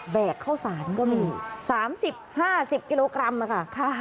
ข้าวสารก็มี๓๐๕๐กิโลกรัมค่ะ